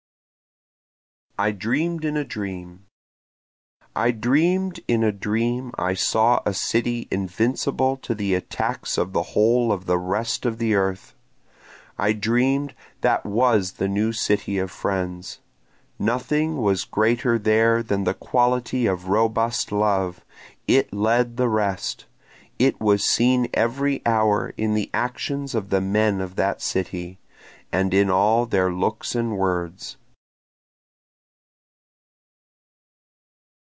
I Dream'd in a Dream I dream'd in a dream I saw a city invincible to the attacks of the whole of the rest of the earth, I dream'd that was the new city of Friends, Nothing was greater there than the quality of robust love, it led the rest, It was seen every hour in the actions of the men of that city, And in all their looks and words.